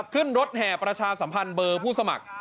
ขึ้นรถแห่ประชาสัมพันธ์เบอร์ผู้สมัคร